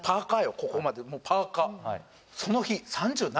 ここまでもうパーカーヤバっ